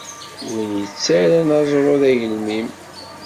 Win i yettarran aẓru d agelmim.